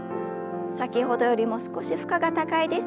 先ほどよりも少し負荷が高いです。